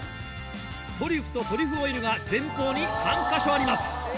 トリュフとトリュフオイルが前方に３カ所あります。